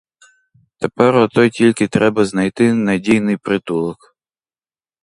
Тепер ото тільки треба знайти надійний притулок.